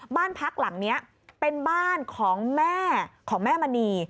บ้านพักหลังนี้เป็นบ้านของแม่ของแม่มณี